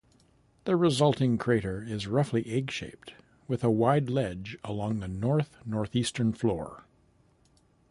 The resulting crater is roughly egg-shaped, with a wide ledge along the north-northwestern floor.